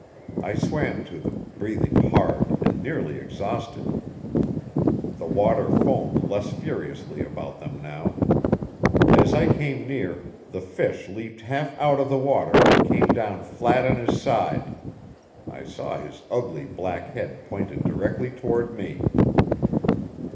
I swam to them, breathing hard and nearly exhausted. The water foamed less furiously about them now. As I came near the fish leaped half out of the water and came down flat on his side; I saw his ugly black head pointed directly toward me.